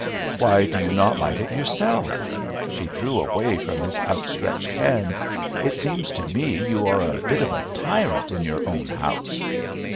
"Why do you not light it yourself?" She drew away from his outstretched hand. "It seems to me you are a bit of a tyrant in your own house."